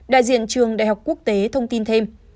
đại diện trường đại học quốc tế thông tin thêm